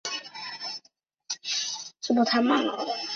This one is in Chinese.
蒙巴尔东人口变化图示